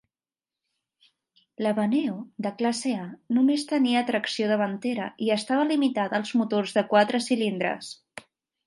La Vaneo de classe A només tenia tracció davantera i estava limitada als motors de quatre cilindres.